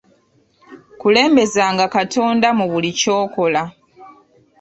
Kulembezanga katonda mu buli ky'okola.